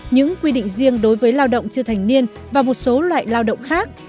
những quy định riêng đối với lao động chưa thành niên và một số loại lao động khác